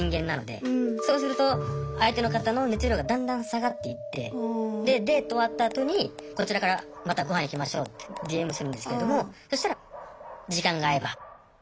そうすると相手の方の熱量がだんだん下がっていってでデート終わったあとにこちらから「またご飯行きましょう」ってＤＭするんですけれどもそしたら「時間があえば」。